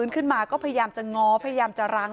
ขึ้นมาก็พยายามจะง้อพยายามจะรั้ง